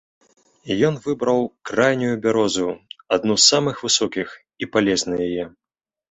Ён выбраў крайнюю бярозу, адну з самых высокіх, і палез на яе.